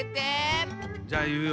じゃあいうよ。